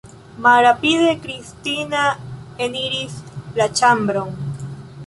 Malrapide Kristina eniris la ĉambron.